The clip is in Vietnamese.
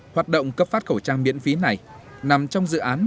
hoạt động cấp phát khẩu trang miễn phí này nằm trong dự án